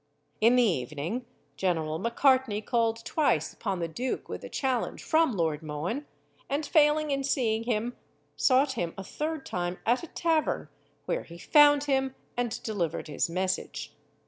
In the evening, General Macartney called twice upon the duke with a challenge from Lord Mohun, and failing in seeing him, sought him a third time at a tavern, where he found him, and delivered his message.